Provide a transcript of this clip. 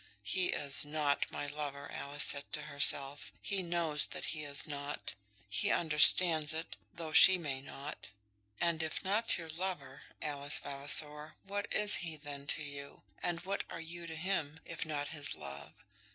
"He is not my lover," Alice said to herself. "He knows that he is not. He understands it, though she may not." And if not your lover, Alice Vavasor, what is he then to you? And what are you to him, if not his love?